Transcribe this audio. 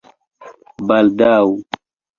baldaŭ